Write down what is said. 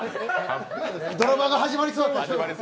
ドラマが始まりそうだった。